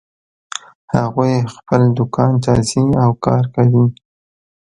هغوی خپل دوکان ته ځي او کار کوي